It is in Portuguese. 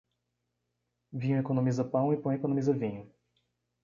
Vinho economiza pão e pão economiza vinho.